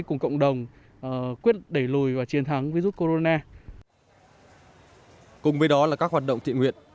cùng với đó là các hoạt động thiện nguyện